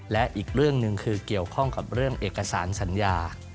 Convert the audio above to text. และอีกเรื่องหนึ่งคือเกี่ยวข้องกับเรื่องเอกสารสัญญา